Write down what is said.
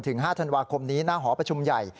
๕ธันวาคมนี้หน้าหอประชุมใหญ่